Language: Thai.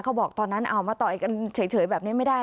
บอกตอนนั้นเอามาต่อยกันเฉยแบบนี้ไม่ได้